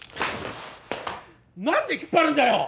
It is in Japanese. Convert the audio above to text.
何で引っ張るんだよ！